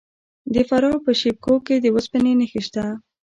د فراه په شیب کوه کې د وسپنې نښې شته.